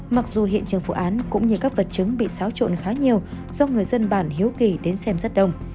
mặc dù hiện trường vụ án cũng như các vật chứng bị xáo trộn khá nhiều do người dân bản hiếu kỳ đến xem rất đông